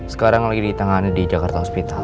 sekarang lagi di tangannya di jakarta hospital